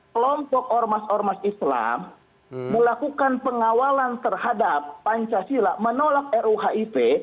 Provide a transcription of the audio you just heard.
kelompok ormas ormas islam melakukan pengawalan terhadap pancasila menolak ruhip